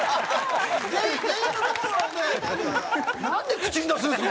なんで口に出すんですか？